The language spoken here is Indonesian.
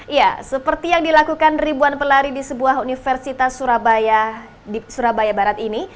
ya seperti yang dilakukan ribuan pelari di sebuah universitas surabaya barat ini